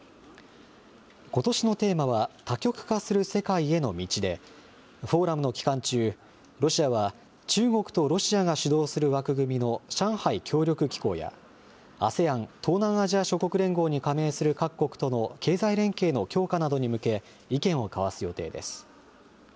ことしのテーマは多極化する世界への道で、フォーラムの期間中、ロシアは、中国とロシアが主導する枠組みの上海協力機構や、ＡＳＥＡＮ・東南アジア諸国連合に加盟する各国との経済連携の強化などに向け、意見を交わす予定です。